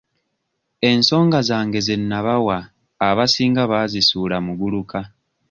Ensonga zange ze nnabawa abasinga baazisuula muguluka.